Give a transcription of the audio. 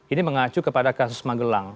ini mengacu kepada kasus magelang